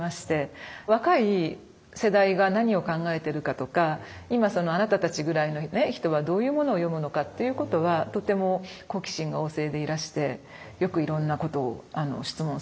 若い世代が何を考えてるかとか今そのあなたたちぐらいの人はどういうものを読むのかっていうことはとても好奇心が旺盛でいらしてよくいろんなことを質問されましたね。